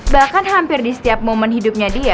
bahkan hampir di setiap momen hidupnya dia